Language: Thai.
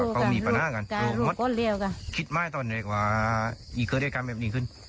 พอคิดใหม่ตอนนี้มีเกิดอีกละกันแบบนี้ขึ้น